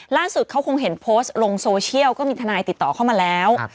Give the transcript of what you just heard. ล่าสุดเขาคงเห็นโพสต์ลงโซเชียลก็มีทนายติดต่อเข้ามาแล้ว